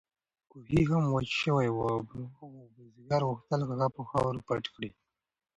کوهی هم وچ شوی و او بزګر غوښتل هغه په خاورو پټ کړي.